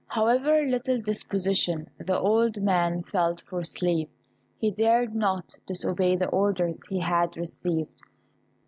However little disposition the old man felt for sleep, he dared not disobey the orders he had received.